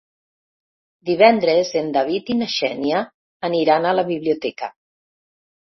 Divendres en David i na Xènia aniran a la biblioteca.